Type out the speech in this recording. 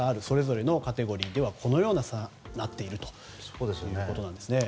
それぞれのカテゴリーではこのような差になっています。